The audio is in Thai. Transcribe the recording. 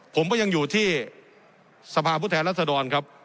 ผมก็ยังอยู่ที่สภาพผู้แทนรัศดรครับ